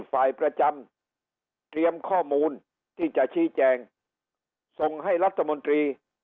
ฝ่ายประจำเตรียมข้อมูลที่จะชี้แจงส่งให้รัฐมนตรี